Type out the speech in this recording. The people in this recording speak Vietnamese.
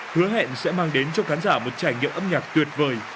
hứa hẹn sẽ mang đến cho khán giả một trải nghiệm âm nhạc tuyệt vời